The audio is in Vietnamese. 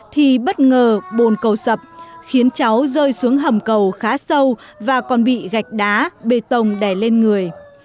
thì bất ngờ bồn cầu sập khiến cháu rơi xuống hầm cầu khá sâu và còn bị gạch đá bê tông đè lên người